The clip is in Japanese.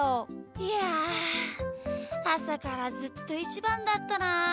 いやあさからずっとイチバンだったな。